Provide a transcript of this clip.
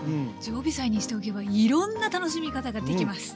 常備菜にしておけばいろんな楽しみ方ができます。